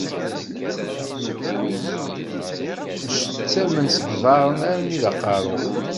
Mcettament seg yiḍaṛṛen armi d aqeṛṛu.